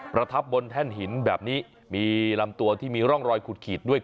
ประทับบนแท่นหินแบบนี้มีลำตัวที่มีร่องรอยขูดขีดด้วย